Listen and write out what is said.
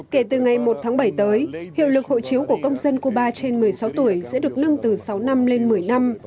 kể từ ngày một tháng bảy tới hiệu lực hộ chiếu của công dân cuba trên một mươi sáu tuổi sẽ được nâng từ sáu năm lên một mươi năm